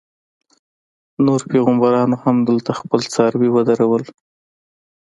نورو پیغمبرانو هم دلته خپل څاروي ودرول.